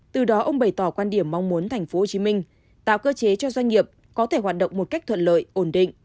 từ đó ông bày tỏ quan điểm mong muốn tp hcm tạo cơ chế cho doanh nghiệp có thể hoạt động một cách thuận lợi ổn định